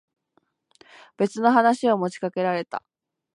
別の話を持ちかけられた。